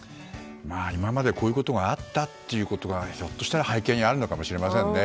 今までこういうことがあったということがひょっとしたら背景にあるのかもしれませんね。